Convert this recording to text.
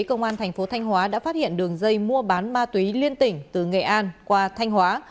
công an thành phố thanh hóa đã phát hiện đường dây mua bán ma túy liên tỉnh từ nghệ an qua thanh hóa